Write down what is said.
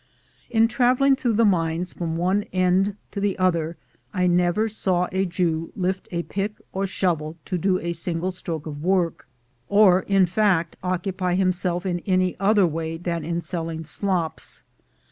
In traveling through the mines from one end to the other, I never saw a Jew lift a pick or shovel to do a single stroke of work, or, In fact, occupy himself in any other way than in selling slops.